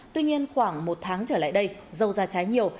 tuy nhiên khoảng một tháng trở lại đây dâu ra trái nhiều